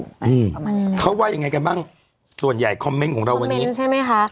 อืมเขาว่ายังไงกันบ้างส่วนใหญ่คอมเม้นต์ของเราวันนี้คอมเม้นต์ใช่ไหมคะ